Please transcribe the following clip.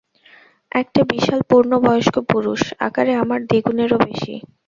একটা বিশাল, পূর্ণ বয়স্ক পুরুষ, আকারে আমার দ্বিগুণেরও বেশি।